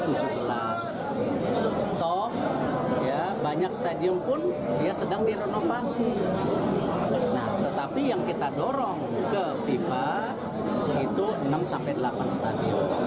u tujuh belas toh banyak stadium pun sedang direnovasi tetapi yang kita dorong ke fifa itu enam delapan stadium